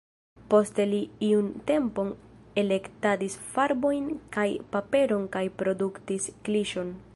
Poste li iun tempon elektadis farbojn kaj paperon kaj produktis kliŝon.